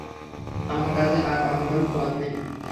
আমার কাছে আর অন্য কোনো পথ নেই।